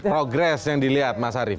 progres yang dilihat mas arief